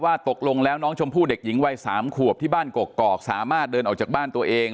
ตกลงแล้วน้องชมพู่เด็กหญิงวัย๓ขวบที่บ้านกกอกสามารถเดินออกจากบ้านตัวเอง